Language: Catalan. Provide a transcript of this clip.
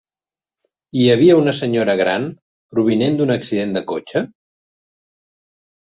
Hi havia una senyora gran provinent d'un accident de cotxe?